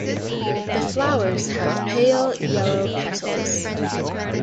The flowers have pale yellow petals.